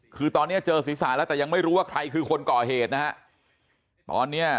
คือตอนนี้เจอศีรษะแล้วแต่ยังไม่รู้ว่าใครคือคนก่อเหตุนะฮะตอนเนี้ย